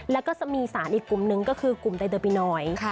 แล้วก็จะมีสารอีกกลุ่มนึงก็คือกลุ่มไดเดอร์บินอย